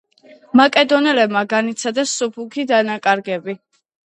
მაკედონელებმა განიცადეს მსუბუქი დანაკარგები.